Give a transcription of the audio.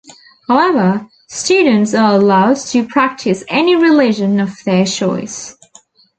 However, students are allowed to practice any religion of their choice.